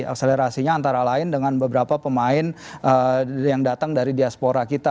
akselerasinya antara lain dengan beberapa pemain yang datang dari diaspora kita